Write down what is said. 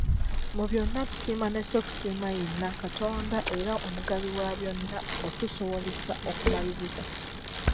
Mu byonna tusiima ne ssekusiima yenna Katonda era omugabi wa byonna otusobozesezza okumaliriza.